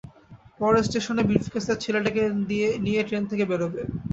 পরের স্টেশনে ব্রিফকেস আর ছেলেটাকে নিয়ে ট্রেন থেকে বেরোবে।